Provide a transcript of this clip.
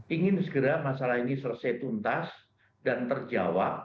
ingin segera masalah ini selesai tuntas dan terjawab